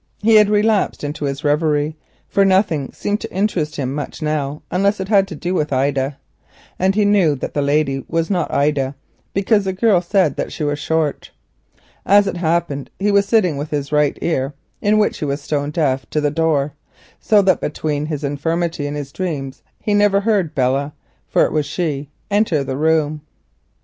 He had relapsed into his reverie, for nothing seemed to interest him much now unless it had to do with Ida—and he knew that the lady could not be Ida, because the girl said that she was short. As it happened, he sat with his right ear, in which he was deaf, towards the door, so that between his infirmity and his dreams he never heard Belle—for it was she—enter the room.